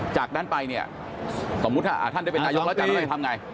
จากหนั้นไปสมมติว่าถ้าท่านเป็นนายกแล้วทำไง